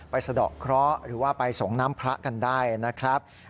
สะดอกเคราะห์หรือว่าไปส่งน้ำพระกันได้นะครับ